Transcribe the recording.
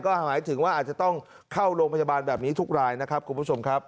ก็หมายถึงว่าอาจจะต้องเข้าโรงพยาบาลแบบนี้ทุกรายนะครับคุณผู้ชมครับ